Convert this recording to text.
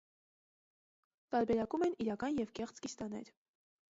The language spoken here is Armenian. Տարբերակում են իրական և կեղծ կիստաներ։